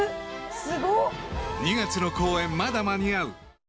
すごっ！２月の公演、まだ間に合う。